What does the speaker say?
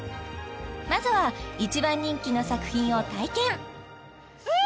まずは一番人気の作品を体験うわあ